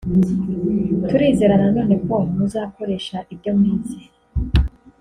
turizera na none ko muzakoresha ibyo mwize